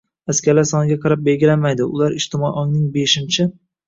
askarlar soniga qarab belgilanmaydi, ular ijtimoiy ongning “beshinchi